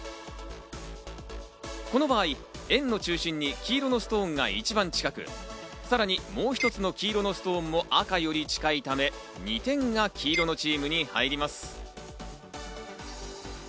この場合、円の中心に黄色のストーンが一番近く、さらにもう一つの黄色のストーンも赤より近いため２点が黄色のチームに入ります。